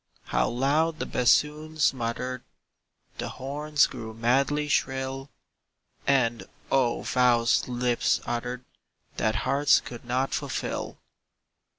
How loud the bassoons muttered! The horns grew madly shrill; And, oh, the vows lips uttered That hearts could not fulfill.